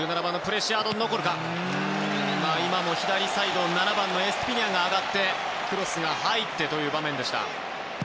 今も左サイド、７番のエストゥピニャンが上がってクロスが入ってという場面でした。